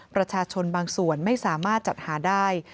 ประชาชนบางส่วนไม่สามารถจัดหาได้